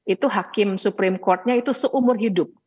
itu hakim supreme courtnya itu seumur hidup